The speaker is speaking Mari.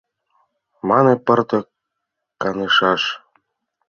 Мане: «Пыртак канышаш...»